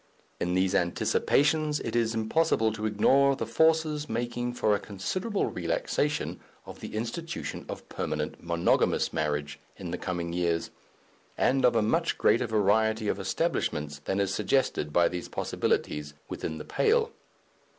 In these Anticipations it is impossible to ignore the forces making for a considerable relaxation of the institution of permanent monogamous marriage in the coming years, and of a much greater variety of establishments than is suggested by these possibilities within the pale.